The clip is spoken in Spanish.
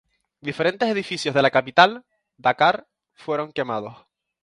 Diferentes edificios de la capital, Dakar, fueron quemados.